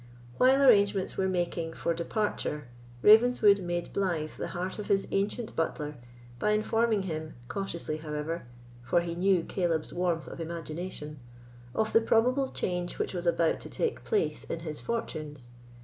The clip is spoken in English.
While arrangements were making for departure, Ravenswood made blythe the heart of his ancient butler by informing him, cautiously however (for he knew Caleb's warmth of imagination), of the probable change which was about to take place in his fortunes.